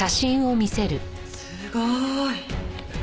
すごい。